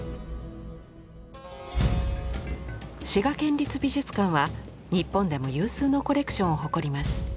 滋賀県立美術館は日本でも有数のコレクションを誇ります。